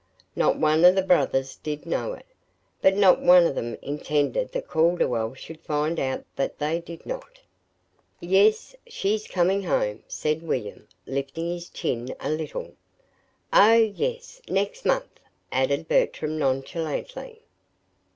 Not one of the brothers did know it but not one of them intended that Calderwell should find out that they did not. "Yes, she's coming home," said William, lifting his chin a little. "Oh, yes, next month," added Bertram, nonchalantly.